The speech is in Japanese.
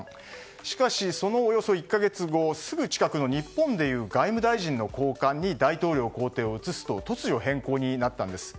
しかし、そのおよそ１か月後すぐ近くの日本でいう外務大臣の公館に大統領公邸を移すと突如、変更になったんです。